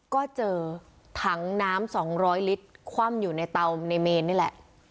ก็เจอถังน้ำ๒๐๐ลิตรคว่ำอยู่ในเตาในเมนนี่แหละ